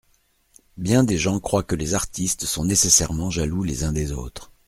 Bien des gens croient que les artistes sont nécessairement jaloux les uns des autres.